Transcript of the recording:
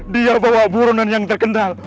dia membawa burunan yang terkendal